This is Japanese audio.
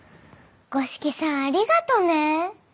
五色さんありがとね。